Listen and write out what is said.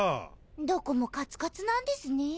どこもカツカツなんですねェ。